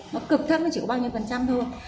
nó cực thấp nó chỉ có bao nhiêu phần trăm thôi